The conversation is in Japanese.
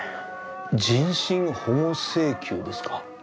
人身保護請求ですか。